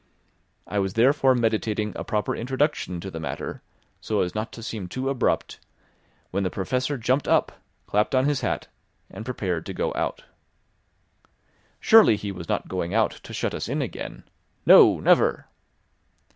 I was therefore meditating a proper introduction to the matter, so as not to seem too abrupt, when the Professor jumped up, clapped on his hat, and prepared to go out. Surely he was not going out, to shut us in again! no, never!